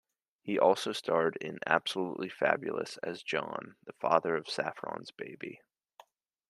He also starred in Absolutely Fabulous as John, the father of Saffron's baby.